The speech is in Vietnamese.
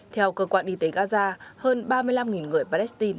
theo cơ quan y tế gaza hơn ba mươi năm người palestine